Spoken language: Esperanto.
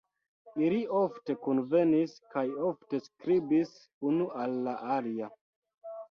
Ili ofte kunvenis kaj ofte skribis unu al la alia.